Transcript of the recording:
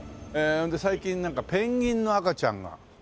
最近なんかペンギンの赤ちゃんが。